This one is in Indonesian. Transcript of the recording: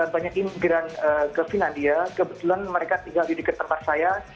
banyak imigran ke finlandia kebetulan mereka tinggal di dekat tempat saya